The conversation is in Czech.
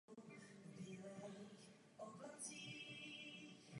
Proto bylo rozhodnuto zapojit dva vagóny do jedné soupravy a rozšířit nástupiště.